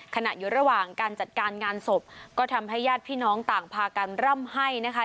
อยู่ระหว่างการจัดการงานศพก็ทำให้ญาติพี่น้องต่างพากันร่ำให้นะคะ